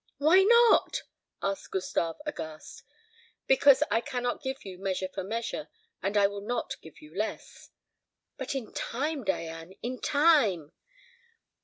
"Why not?" asked Gustave, aghast. "Because I cannot give you measure for measure, and I will not give you less." "But in time, Diane, in time?"